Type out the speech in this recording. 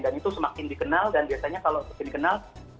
dan itu semakin dikenal dan biasanya kalau semakin dikenal